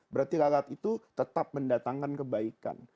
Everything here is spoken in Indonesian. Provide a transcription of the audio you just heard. berarti lalat itu tetap mendatangkan kebaikan